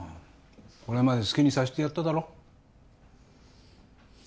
これまで好きにさしてやっただろ？